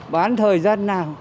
bán thời gian nào